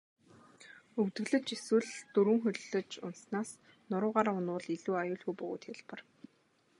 Өвдөглөж эсвэл дөрвөн хөллөж унаснаас нуруугаараа унавал илүү аюулгүй бөгөөд хялбар.